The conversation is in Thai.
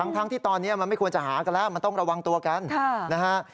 ทั้งที่ตอนนี้มันไม่ควรจะหากันแล้วมันต้องระวังตัวกันนะฮะ